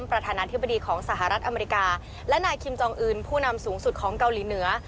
ประธานาธิบดีของสหรัฐอเมริกาและนายคิมจองอื่นผู้นำสูงสุดของเกาหลีเหนือ